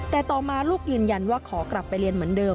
แต่ต่อมาลูกยืนยันว่าขอกลับไปเรียนเหมือนเดิม